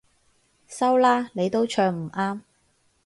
收啦，你都唱唔啱